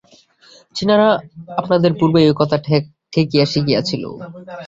চীনারা আপনাদের পূর্বেই ঐ কথা ঠেকিয়া শিখিয়াছিল।